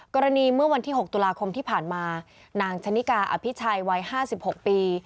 กรณีเมื่อวันที่๖ตุลาคมที่ผ่านมานางชนิกาอภิชัยวัย๕๖ปี